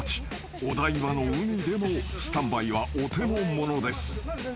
［お台場の海でもスタンバイはお手のものです］